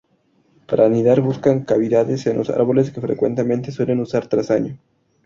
Para anidar buscan cavidades en los árboles que frecuentemente suelen usar año tras año.